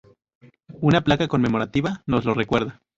Una placa conmemorativa nos lo recuerda.